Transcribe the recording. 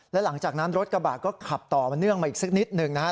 และหลังจากนั้นรถกระบะก็ขับต่อเนื่องมาอีกสักนิดหนึ่งนะฮะ